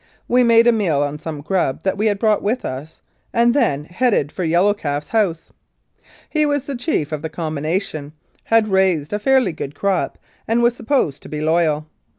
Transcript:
We made a meal on some grub that we had brought with us, and then headed for Yellow Calf's house. He was the chief of the combination, had raised a fairly good crop, and was supposed to be loyal.